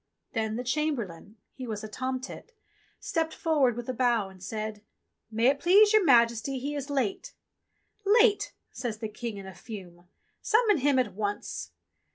Then the Chamberlain — he was a tomtit — stepped for ward with a bow and said :*' May it please your Majesty he is late." "Late.?" says the King in a fume. "Summon him at once."